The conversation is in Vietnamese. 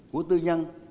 của tư nhân